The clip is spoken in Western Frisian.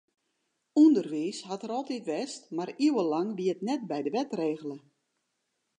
Underwiis hat der altyd west, mar iuwenlang wie it net by de wet regele.